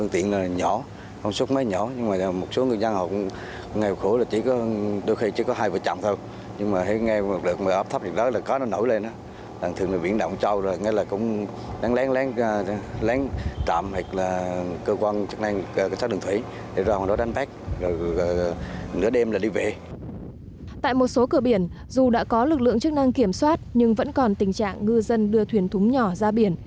tại một số cửa biển dù đã có lực lượng chức năng kiểm soát nhưng vẫn còn tình trạng ngư dân đưa thuyền thúng nhỏ ra biển